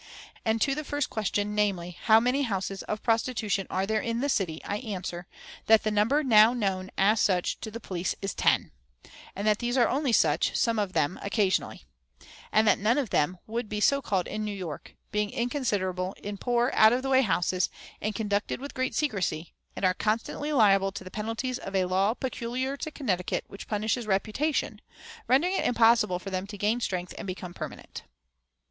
"And to the first question, namely, 'How many houses of prostitution are there in the city?' I answer, That the number now known as such to the police is ten, and that these are only such (some of them) occasionally; and that none of them would be so called in New York, being inconsiderable, in poor, out of the way houses, and conducted with great secrecy, and are constantly liable to the penalties of a law peculiar to Connecticut, which punishes reputation, rendering it impossible for them to gain strength and become permanent.